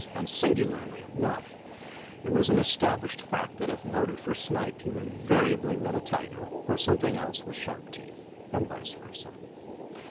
And, singularly enough, it was an established fact that if loaded for snipe you invariably met a tiger, or something else with sharp teeth, and vice versa.